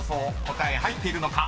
答え入っているのか？］